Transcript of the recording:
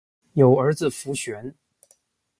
有儿子伏暅。